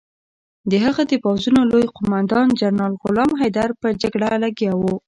د هغه د پوځونو لوی قوماندان جنرال غلام حیدر په جګړه لګیا وو.